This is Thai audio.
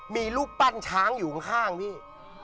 มีรูปปั้นช้างอยู่ข้างพี่